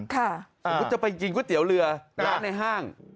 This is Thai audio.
สมมุติจะไปกินก๋วยเตี๋ยวเรือร้านในห้าง